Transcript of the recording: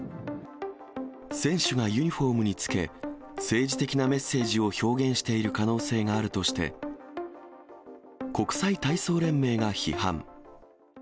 選手がユニホームにつけ、政治的なメッセージを表現している可能性があるとして、国際体操連盟が批判。